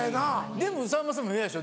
でもさんまさんも嫌でしょ？